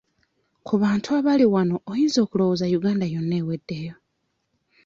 Ku bantu abali wano oyinza okulowooza Uganda yonna eweddeyo.